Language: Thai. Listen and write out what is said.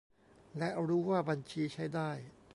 และรู้ว่าบัญชีใช้ได้